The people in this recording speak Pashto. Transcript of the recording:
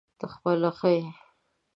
ته خپله ښه یې ؟